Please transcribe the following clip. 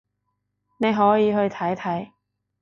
你可以去睇睇